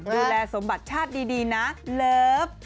ดูแลสมบัติชาติดีนะเลิฟ